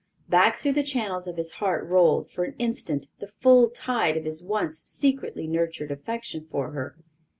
Back through the channels of his heart rolled, for an instant, the full tide of his once secretly nurtured affection for her.